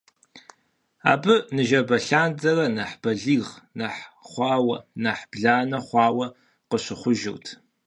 Абы ныжэбэ лъандэрэ нэхъ балигъ, нэхъ хахуэ, нэхъ бланэ хъуауэ къыщыхъужырт.